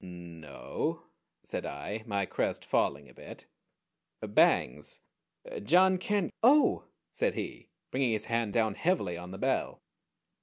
"No," said I, my crest falling a bit, "Bangs John Ken " "Oh," said he, bringing his hand down heavily on the bell.